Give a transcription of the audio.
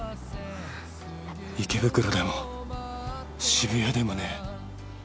池袋でも渋谷でもねえ。